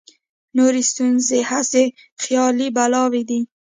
نورې ستونزې هسې خیالي بلاوې دي.